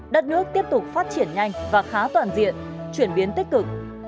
đất nước tiếp tục phát triển nhanh và khá toàn diện chuyển biến tích cực